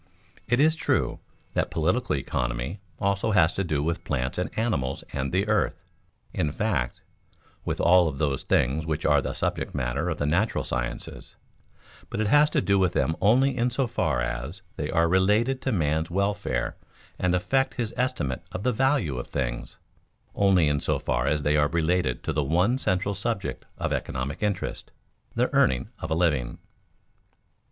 _ It is true that political economy also has to do with plants and animals and the earth in fact, with all of those things which are the subject matter of the natural sciences; but it has to do with them only in so far as they are related to man's welfare and affect his estimate of the value of things; only in so far as they are related to the one central subject of economic interest, the earning of a living.